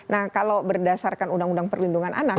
nah kalau berdasarkan undang undang perlindungan anak